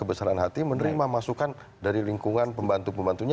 kebesaran hati menerima masukan dari lingkungan pembantu pembantunya